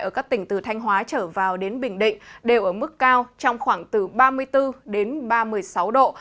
ở các tỉnh từ thanh hóa trở vào đến bình định đều ở mức cao trong khoảng từ ba mươi bốn ba mươi sáu độ